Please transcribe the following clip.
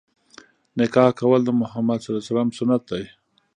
نکاح کول د مُحَمَّد ﷺ سنت دی.